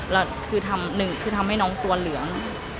แล้วคือทำหนึ่งคือทำให้น้องตัวเหลือง